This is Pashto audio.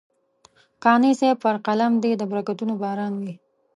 قانع صاحب پر قلم دې د برکتونو باران وي.